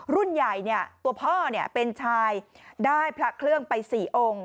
รุ่นใหญ่ตัวพ่อเป็นชายได้พระเครื่องไป๔องค์